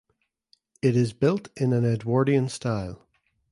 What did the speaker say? It is built in an Edwardian style.